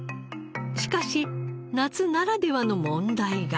しかし夏ならではの問題が。